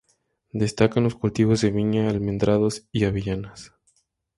Destacan los cultivos de viña, almendros y avellanos.